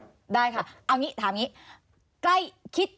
เอาอย่างนี้ถามอย่างนี้